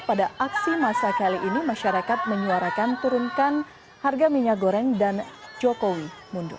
pada aksi masa kali ini masyarakat menyuarakan turunkan harga minyak goreng dan jokowi mundur